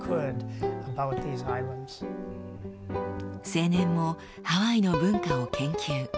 青年もハワイの文化を研究。